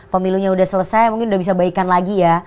pemilunya sudah selesai mungkin sudah bisa baikan lagi ya